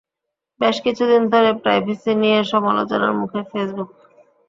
বেশ কিছুদিন ধরে প্রাইভেসি নিয়ে সমালোচনার মুখে ফেসবুক।